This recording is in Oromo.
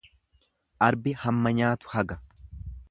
Arbi hamma nyaatu haga.